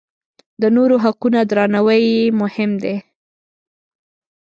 د نورو حقونه درناوی یې مهم دی.